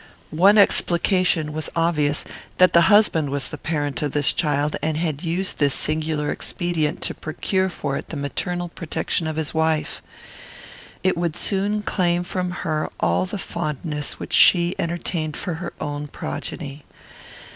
One explication was obvious, that the husband was the parent of this child, and had used this singular expedient to procure for it the maternal protection of his wife. It would soon claim from her all the fondness which she entertained for her own progeny.